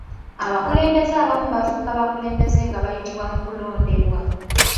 Abakulembeze abamu bafuuka bakulembeze nga bayita mu kulondebwa.